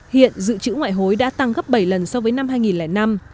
hiện dự trữ ngoại hối đã tăng gấp bảy lần so với năm hai nghìn năm